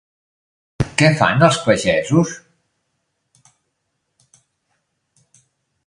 Què fan els pagesos?